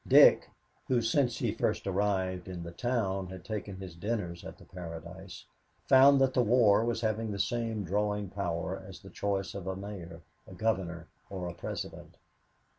Dick, who, since he first arrived in the town, had taken his dinners at the Paradise, found that the war was having the same drawing power as the choice of a mayor, a governor, or a president.